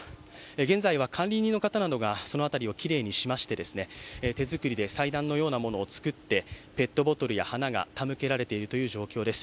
現在は管理人の方などが、その辺りをきれいにしまして、手作りで祭壇のようなものを作って、ペットボトルや花などが手向けられているという状況です。